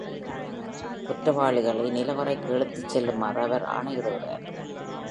குற்றவாளிகளை நிலவறைகளுக்கு இழுத்துச் செல்லுமாறு அவர் ஆணையிடுகிறார்.